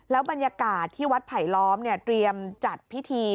บรรยากาศที่วัดไผลล้อมเตรียมจัดพิธี